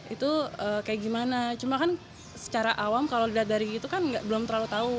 itu kayak gimana cuma kan secara awam kalau dilihat dari itu kan belum terlalu tahu